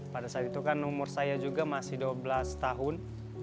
pada saat itu kan umur saya juga masih dua belas tahun